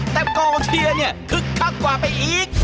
แต่กองเชียร์เนี่ยคึกคักกว่าไปอีก